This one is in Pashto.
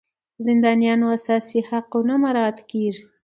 د زندانیانو انساني حقونه مراعات کیږي.